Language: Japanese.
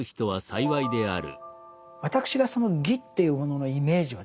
私がその「義」というもののイメージはですね